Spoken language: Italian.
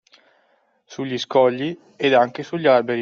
Sugli scogli ed anche sugli alberi.